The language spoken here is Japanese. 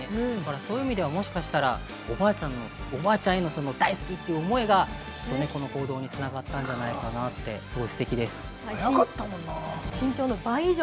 そういう意味ではもしかしたら、おばあちゃんへの大好きって思いがこの行動に繋がったんじゃないのかなって、早かったもんな。